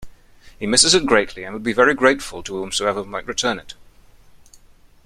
He misses it greatly and would be very grateful to whomsoever might return it.